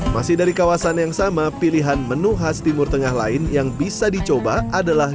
masih dari kawasan yang sama pilihan menu khas timur tengah lain yang bisa dicoba adalah